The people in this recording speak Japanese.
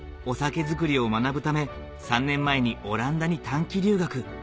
お酒造りを学ぶため３年前にオランダに短期留学